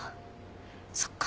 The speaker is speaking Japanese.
そっか。